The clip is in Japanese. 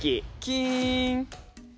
キン？